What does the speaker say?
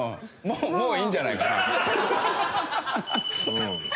もういいんじゃないかな。